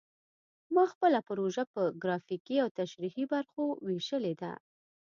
ما خپله پروژه په ګرافیکي او تشریحي برخو ویشلې ده